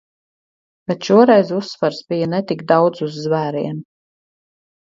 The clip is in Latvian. Bet šoreiz uzsvars bija ne tik daudz uz zvēriem.